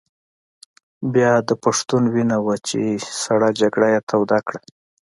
بیا د پښتون وینه وه چې سړه جګړه یې توده کړه.